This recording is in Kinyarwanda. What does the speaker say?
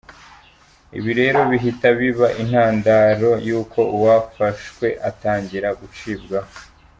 Ibi rero bihita biba intandaro y’uko uwafashwe atangira gucibwamo.